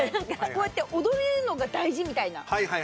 こうやって踊るのが大事みたいな。